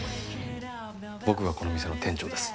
僕がこの店の店長です。